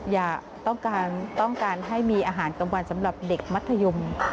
อย่าต้องการต้องการให้มีอาหารกลางวันสำหรับเด็กมัธยม